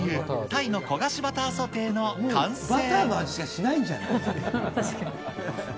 タイの焦がしバターソテーの完成。